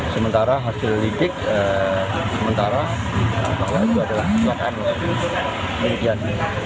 sementara hasil lidik sementara itu adalah keselakaan